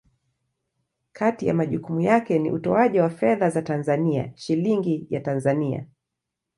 Kati ya majukumu yake ni utoaji wa fedha za Tanzania, Shilingi ya Tanzania.